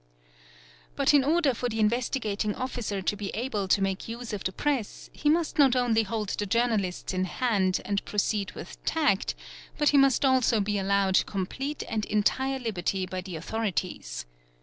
; But in order for the Investigating Officer to be able to make use of 1 press, he must not only hold the journalists in hand and proceed ith tact, but he must also be allowed complete and entire liberty by the ithorities.